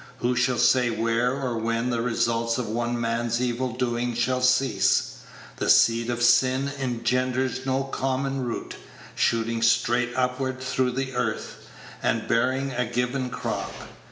Who shall say where or when the results of one man's evil doing shall cease? The seed of sin engenders no common root, shooting straight upward through the earth, and bearing a given crop.